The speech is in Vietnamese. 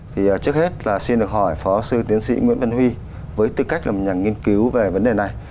thì trước hết là xin được hỏi phó sư tiến sĩ nguyễn văn huy với tư cách là một nhà nghiên cứu về vấn đề này